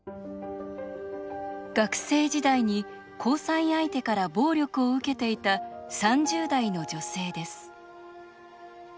学生時代に交際相手から暴力を受けていた３０代の女性です。